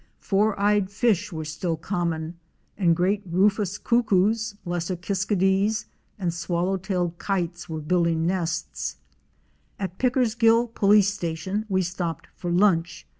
Four eyed fish were still common and Great Rufous Cuckoos," Lesser Kiskadces ' and Swallow tailed Kites * were build ing nests. Fic. 99. Mites or LILIgs. At Pickersgill Police Station we stopped for lunch.